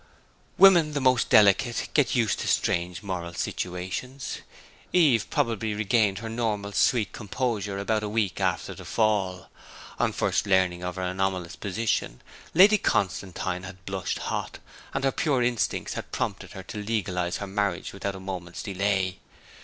Women the most delicate get used to strange moral situations. Eve probably regained her normal sweet composure about a week after the Fall. On first learning of her anomalous position Lady Constantine had blushed hot, and her pure instincts had prompted her to legalize her marriage without a moment's delay.